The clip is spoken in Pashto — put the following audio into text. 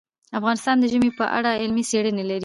افغانستان د ژمی په اړه علمي څېړنې لري.